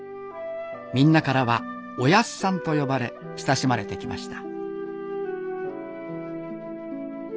みんなからは「おやっさん」と呼ばれ親しまれてきました。